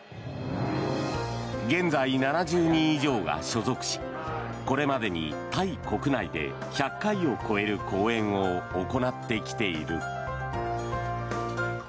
現在７０人以上が所属しこれまでにタイ国内で１００回を超える公演を行ってきている。